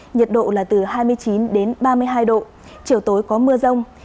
nhiệt độ là từ hai mươi chín đến ba mươi hai độ chiều tối có mưa rông